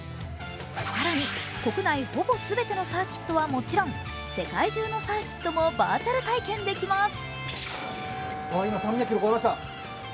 更に国内ほぼ全てのサーキットはもちろん世界中のサーキットもバーチャル体験できます。